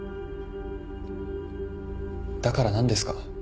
だから何ですか？